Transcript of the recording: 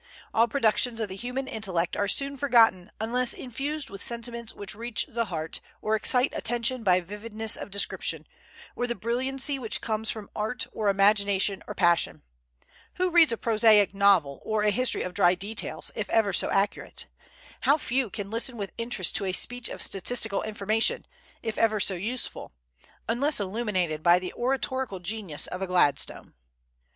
All productions of the human intellect are soon forgotten unless infused with sentiments which reach the heart, or excite attention by vividness of description, or the brilliancy which comes from art or imagination or passion. Who reads a prosaic novel, or a history of dry details, if ever so accurate? How few can listen with interest to a speech of statistical information, if ever so useful, unless illuminated by the oratorical genius of a Gladstone!